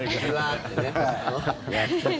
やってた。